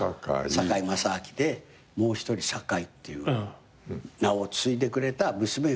堺正章でもう一人堺っていう名を継いでくれた娘が。